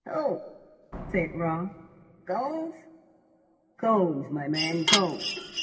"How?" said Raut. "Cones?" "Cones, my man, cones.